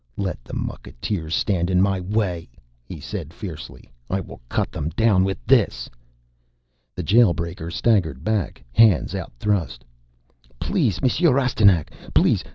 "Let the mucketeers stand in my way," he said fiercely. "I will cut them down with this!" The Jail breaker staggered back, hands outthrust. "Please, Monsieur Rastignac! Please!